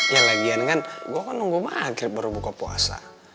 ya lagian kan gue kan nunggu maghrib baru buka puasa